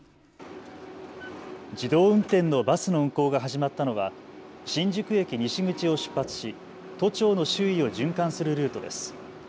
自動運転のバスの運行が始まったのは新宿駅西口を出発し都庁の周囲を循環するルートです。